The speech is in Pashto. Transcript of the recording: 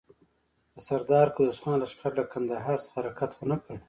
د سردار قدوس خان لښکر له کندهار څخه حرکت ونه کړ.